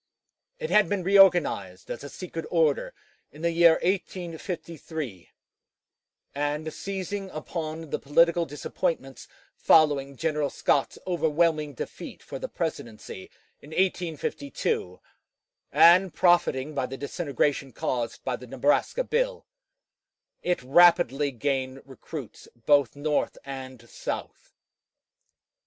It had been reorganized as a secret order in the year 1853; and seizing upon the political disappointments following General Scott's overwhelming defeat for the presidency in 1852, and profiting by the disintegration caused by the Nebraska bill, it rapidly gained recruits both North and South.